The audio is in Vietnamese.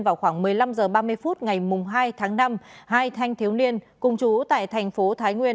vào khoảng một mươi năm h ba mươi phút ngày hai tháng năm hai thanh thiếu niên cùng chú tại thành phố thái nguyên